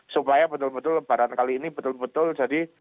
supaya betul betul lebaran kali ini betul betul jadi